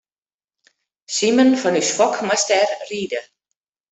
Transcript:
Simen fan ús Fok moast dêr ride.